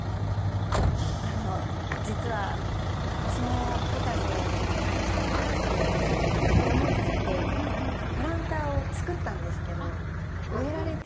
あの実は私もポタジェに挑戦したいなとずっと思っていてプランターを作ったんですけど植えられていなくて。